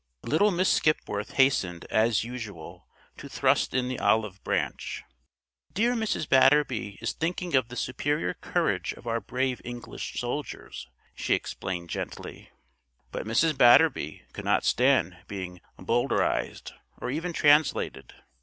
Little Miss Skipworth hastened, as usual, to thrust in the olive branch. "Dear Mrs. Batterby is thinking of the superior courage of our brave English soldiers," she explained gently. But Mrs. Batterby could not stand being Bowdlerised, or even translated.